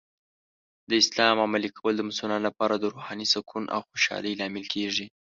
د اسلام عملي کول د مسلمانانو لپاره د روحاني سکون او خوشحالۍ لامل کیږي.